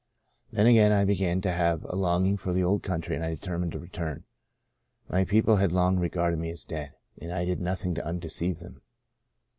Then again I began to have a longing for the old country and I determined to return. My people had long regarded me as dead, Into a Far Country 83 and I did nothing to undeceive them.